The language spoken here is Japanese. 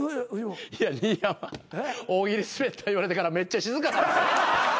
新山大喜利スベった言われてからめっちゃ静か。